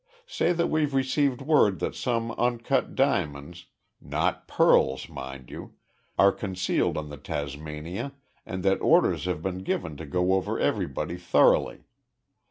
Say that we've received word that some uncut diamonds not pearls, mind you are concealed on the Tasmania and that orders have been given to go over everybody thoroughly.